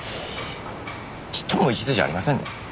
ちっとも一途じゃありませんね。